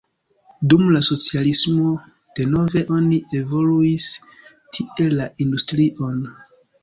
Dum la socialismo denove oni evoluis tie la industrion.